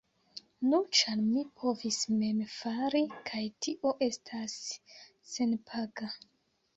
Nu, ĉar mi povis mem fari kaj tio estas senpaga.